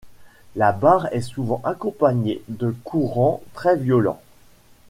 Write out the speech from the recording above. La barre est souvent accompagnée de courants très violents.